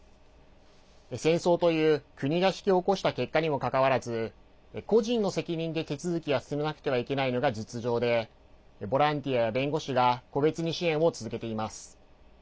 戦争という、国が引き起こした結果にもかかわらず個人の責任で手続きは進めなくてはいけないのが実情でボランティアや弁護士が個別に支援を続けています。